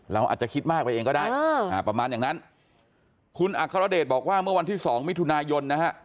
เราอาจจะคิดมากไปเองก็ได้ประมาณอย่างนั้นคุณอัครเดชบอกว่าเมื่อวันที่๒มิถุนายนนะฮะ